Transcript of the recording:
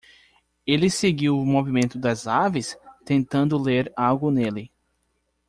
Ele seguiu o movimento das aves? tentando ler algo nele.